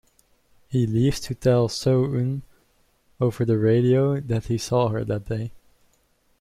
He leaves to tell So-eun over the radio that he saw her that day.